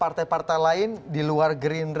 masih hanyalah maksimal fe selera mer escal